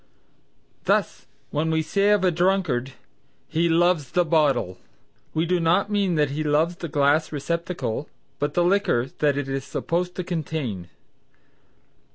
Thus when we say of a drunkard "He loves the bottle" we do not mean that he loves the glass receptacle, but the liquor that it is supposed to contain.